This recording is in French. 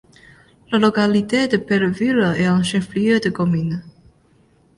La localité de Belleville est un chef-lieu de commune.